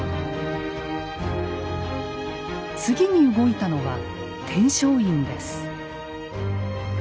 次に動いたのは天璋院です。